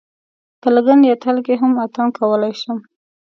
په لګن یا تال کې هم اتڼ کولای شم.